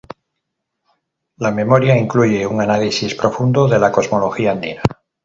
La memoria incluye un análisis profundo de la cosmología andina.